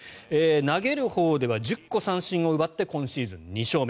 投げるほうでは１０個三振を奪って今シーズン２勝目。